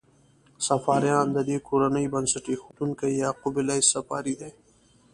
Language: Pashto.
صفاریان: د دې کورنۍ بنسټ ایښودونکی یعقوب لیث صفاري دی.